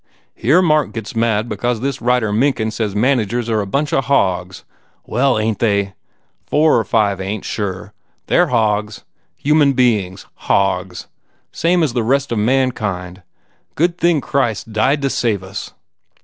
Here Mark gets mad because this writer Mencken says managers are a bunch of hogs. Well, ain t they? Four or five ain t. Sure, they re hogs. Human 197 THE FAIR REWARDS beings. Hogs. Same as the rest of mankind. Good thing Christ died to save us."